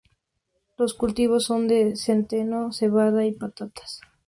Los cultivos son de centeno, cebada y patatas.